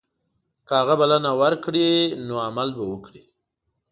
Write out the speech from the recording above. که هغه بلنه ورکړي نو عمل به وکړي.